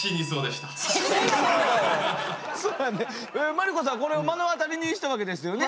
麻利子さんこれを目の当たりにしたわけですよね。